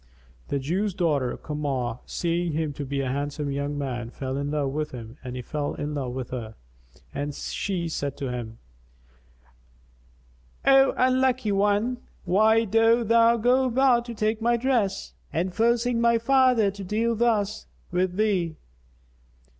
The Jew's daughter Kamar,[FN#253] seeing him to be a handsome young man, fell in love with him and he fell in love with her; and she said to him, "O unlucky one, why dost thou go about to take my dress, enforcing my father to deal thus with thee?"